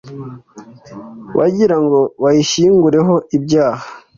bagira ngo bayishyingureho ibyaha,